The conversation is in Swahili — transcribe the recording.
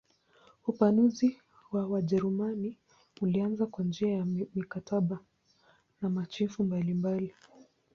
Upanuzi wa Wajerumani ulianza kwa njia ya mikataba na machifu mbalimbali.